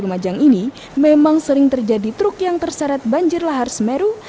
lumajang ini memang sering terjadi truk yang terseret banjir lahar semeru